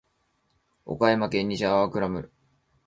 岡山県西粟倉村